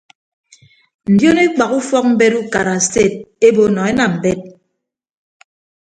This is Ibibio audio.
Ndion ekpak ufọkmbet ukara sted ebo nọ enam mbet.